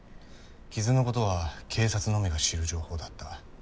傷のことは警察のみが知る情報だった。